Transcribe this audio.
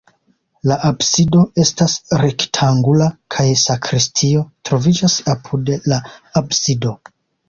La absido estas rektangula kaj sakristio troviĝas apud la absido.